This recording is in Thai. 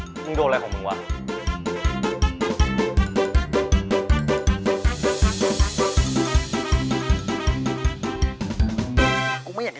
ชื่อฟอยแต่ไม่ใช่แฟง